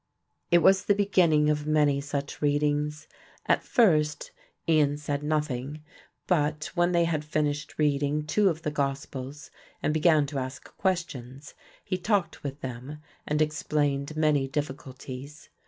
It was the beginning of many such readings. At first Ian said nothing; but, when they had finished reading two of the gospels and began to ask questions, he talked with them and explained many difficulties.